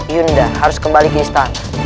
yunda harus kembali ke istana